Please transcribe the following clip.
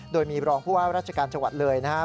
โดยมีรองผู้ว่าราชการจังหวัดเลยนะครับ